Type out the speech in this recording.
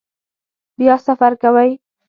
بیا سفر کوئ؟